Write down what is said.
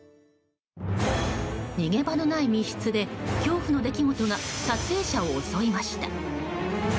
逃げ場のない密室で恐怖の出来事が撮影者を襲いました。